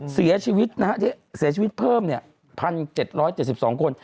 เสียชีวิตเพิ่ม๑๗๗๒คน